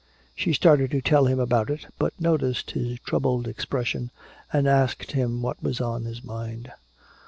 She started to tell him about it, but noticed his troubled expression and asked him what was on his mind.